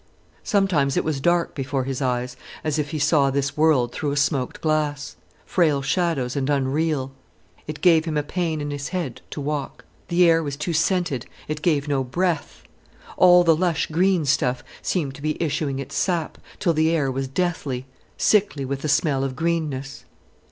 Sometimes it was dark before his eyes, as if he saw this world through a smoked glass, frail shadows and unreal. It gave him a pain in his head to walk. The air was too scented, it gave no breath. All the lush green stuff seemed to be issuing its sap, till the air was deathly, sickly with the smell of greenness.